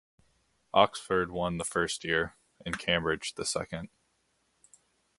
Oxford won the first year, and Cambridge the second.